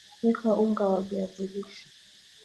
weka unga wa viazi lishe